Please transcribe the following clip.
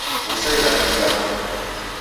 Wusa irangi jako